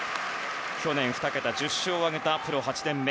去年、２桁１０勝を挙げたプロ８年目